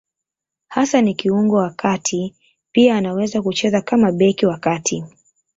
Hasa ni kiungo wa kati; pia anaweza kucheza kama beki wa kati.